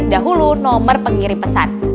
dahulu nomor pengirim pesan